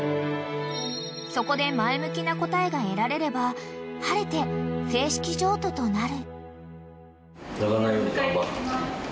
［そこで前向きな答えが得られれば晴れて正式譲渡となる］